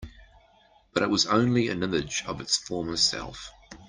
But it was only an image of its former self.